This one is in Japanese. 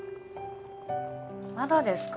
まだですか？